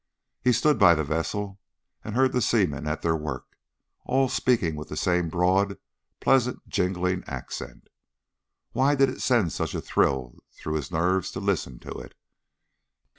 He stood by the vessel and heard the seamen at their work, all speaking with the same broad, pleasant jingling accent. Why did it send such a thrill through his nerves to listen to it?